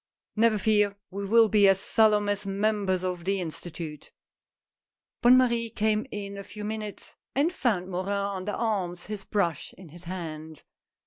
" Never fear, we will be as solemn as members of the Institute." Bonne Marie came in a few minutes, and found 138 HOW PICTURES ARE MADE. Mopn under arms, his brush in his hand.